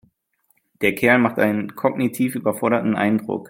Der Kerl macht einen kognitiv überforderten Eindruck.